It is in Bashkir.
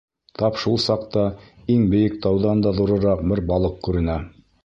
Тап шул саҡта иң бейек тауҙан да ҙурыраҡ бер балыҡ күренә.